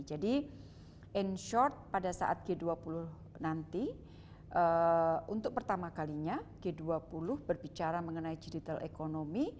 jadi in short pada saat g dua puluh nanti untuk pertama kalinya g dua puluh berbicara mengenai digital economy